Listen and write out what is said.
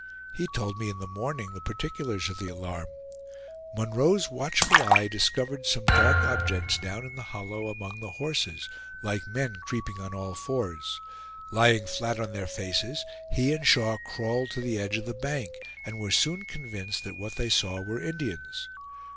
He told me in the morning the particulars of the alarm. Munroe' s watchful eye discovered some dark objects down in the hollow, among the horses, like men creeping on all fours. Lying flat on their faces, he and Shaw crawled to the edge of the bank, and were soon convinced that what they saw were Indians.